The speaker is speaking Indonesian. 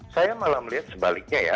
saya malah melihat sebaliknya ya